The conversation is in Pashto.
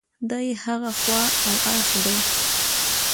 دا یې هغه خوا او اړخ دی.